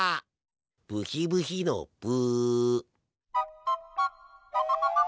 ブヒブヒのブ。